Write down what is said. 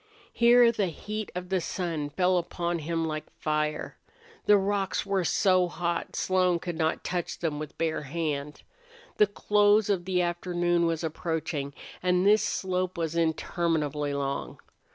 Here the heat of the sun fell upon him like fire. The rocks were so hot Slone could not touch them with bare hand. The close of the afternoon was approaching, and this slope was interminably long.